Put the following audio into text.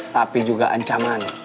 tapi juga ancaman